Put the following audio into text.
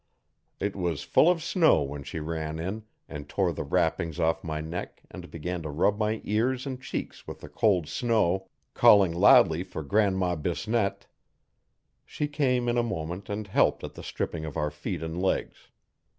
It was full of snow when she ran in and tore the wrappings off my neck and began to rub my ears and cheeks with the cold snow, calling loudly for Grandma Bisnette. She came in a moment and helped at the stripping of our feet and legs.